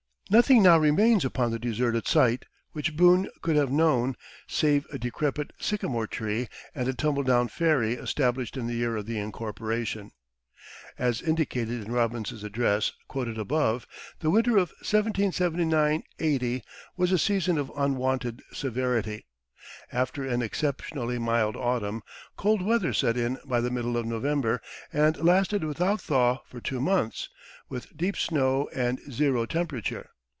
Nothing now remains upon the deserted site, which Boone could have known, save a decrepit sycamore tree and a tumble down ferry established in the year of the incorporation. As indicated in Robinson's address, quoted above, the winter of 1779 80 was a season of unwonted severity. After an exceptionally mild autumn, cold weather set in by the middle of November and lasted without thaw for two months, with deep snow and zero temperature.